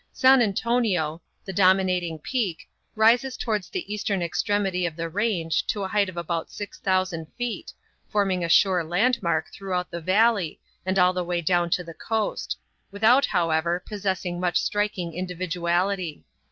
San Antonio, the dominating peak, rises towards the eastern extremity of the range to a height of about six thousand feet, forming a sure landmark throughout the valley and all the way down to the coast, without, however, possessing much striking individuality.